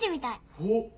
おっ！